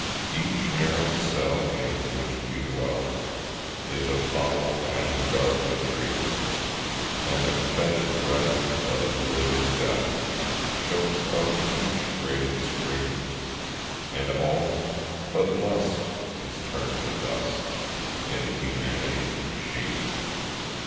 Each narrow cell in which we dwell Is a foul and dark latrine, And the fetid breath of living Death Chokes up each grated screen, And all, but Lust, is turned to dust In Humanity's machine.